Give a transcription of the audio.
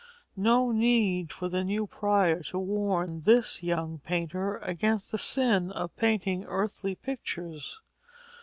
No need for the new prior to warn this young painter against the sin of painting earthly pictures.